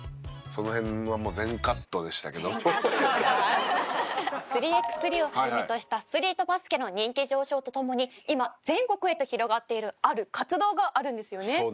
その辺はもう３ｘ３を始めとしたストリートバスケの人気上昇とともに今全国へと広がっているある活動があるんですよね。